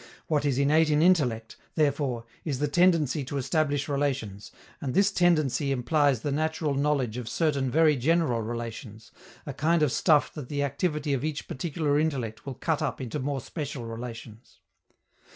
What is innate in intellect, therefore, is the tendency to establish relations, and this tendency implies the natural knowledge of certain very general relations, a kind of stuff that the activity of each particular intellect will cut up into more special relations.